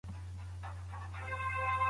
ټولګي تمرین څنګه د زده کوونکو پوهه پیاوړې کوي؟